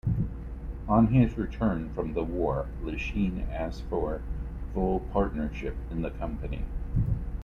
On his return from the war, Lichine asked for full partnership in the company.